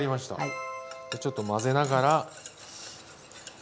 ちょっと混ぜながら。